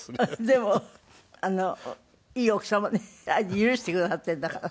でもいい奥様ね許してくださってるんだから。